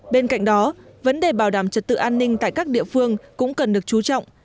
bên cạnh đó vấn đề bảo đảm trật tự an ninh tại các địa phương cũng cần được chú trọng